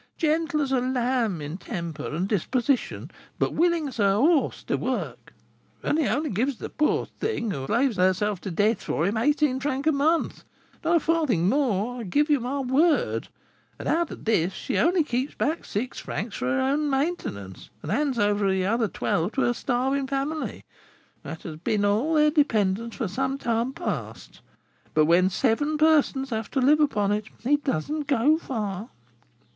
Gentle as a lamb in temper and disposition, but willing as a horse to work; and he only gives this poor thing, who slaves herself to death for him, eighteen francs a month, not a farthing more, I give you my word; and out of this she only keeps back six francs for her own maintenance, and hands over the other twelve to her starving family; that has been all their dependence for some time past; but when seven persons have to live upon it, it does not go far."